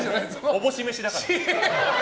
おぼし召しだから。